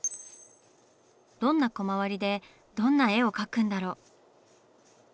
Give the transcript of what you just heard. どんなコマ割りでどんな絵を描くんだろう？